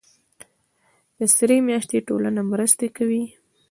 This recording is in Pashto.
د سرې میاشتې ټولنه مرستې کوي